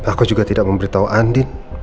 aku juga tidak memberitahu andin